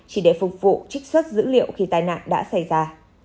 chỉ để phục vụ trích xuất dữ liệu khi tai nạn đã xảy ra